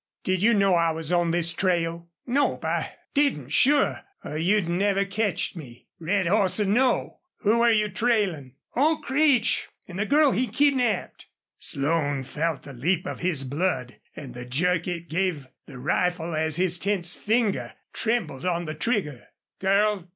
"Did you know I was on this trail?" "Nope. I didn't sure, or you'd never ketched me, red hoss or no." "Who were you trailin'?" "Ole Creech an' the girl he kidnapped." Slone felt the leap of his blood and the jerk it gave the rifle as his tense finger trembled on the trigger. "Girl....